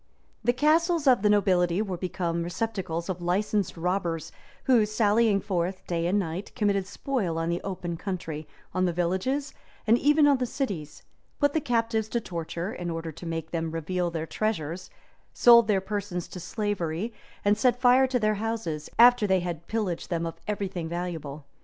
The castles of the nobility were become receptacles of licensed robbers, who, sallying forth day and night, committed spoil on the open country, on the villages, and even on the cities; put the captives to torture, in order to make them reveal their treasures; sold their persons to slavery; and set fire to their houses, after they had pillaged them of every thing valuable.